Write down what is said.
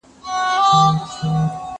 دا فکر له هغه مهم دی.